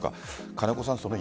金子さん。